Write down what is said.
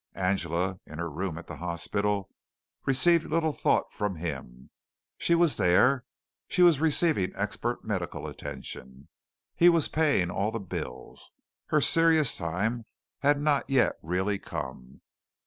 Angela, in her room at the hospital, received little thought from him. She was there. She was receiving expert medical attention. He was paying all the bills. Her serious time had not yet really come.